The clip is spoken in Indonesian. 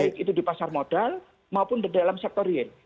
baik itu di pasar modal maupun di dalam sektor real